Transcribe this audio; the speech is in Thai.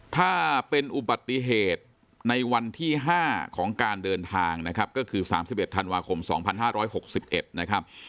ถ้าเป็นอุบัติเหตุในวันที่ห้าของการเดินทางนะครับก็คือสามสิบเอ็ดธันวาคมสองพันห้าร้อยหกสิบเอ็ดนะครับ